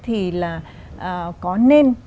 thì là có nên